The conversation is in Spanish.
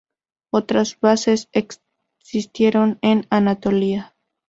Otras bases existieron en Anatolia.